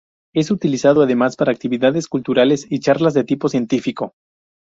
Es utilizado además para actividades culturales y charlas de tipo científico.